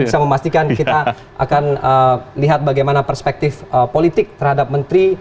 bisa memastikan kita akan lihat bagaimana perspektif politik terhadap menteri